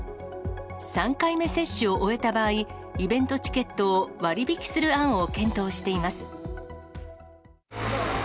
３回目接種を終えた場合、イベントチケットを割引する案を検討しています。